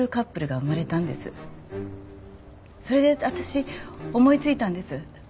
それで私思いついたんです